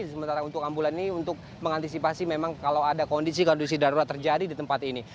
sementara untuk ambulan ini untuk mengantisipasi memang kalau ada kondisi kondisi darurat terjadi di tempat ini